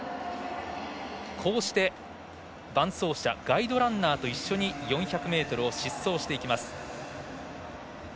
こうして、伴走者ガイドランナーと一緒に４００ｍを疾走していきます。